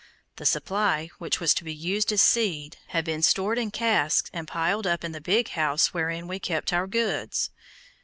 The supply, which was to be used as seed, had been stored in casks and piled up in the big house wherein were kept our goods.